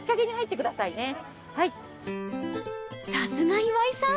さすが岩井さん